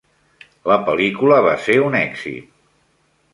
La pel·lícula va ser un èxit.